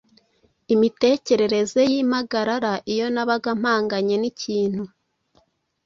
Imitekerereze y’impagarara Iyo nabaga mpanganye n’ikintu,